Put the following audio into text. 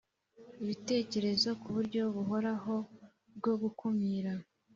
Ibitekerezo kuburyo buhoraho bwo gukumira